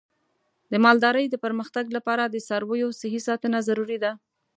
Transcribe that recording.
د مالدارۍ د پرمختګ لپاره د څارویو صحي ساتنه ضروري ده.